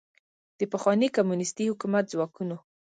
د پخواني کمونیستي حکومت ځواکونو